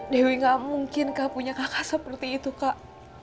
dewi nggak mungkin punya kakak seperti itu kak